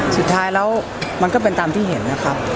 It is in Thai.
สุดท้ายแล้วมันก็เป็นตามที่เห็นนะครับ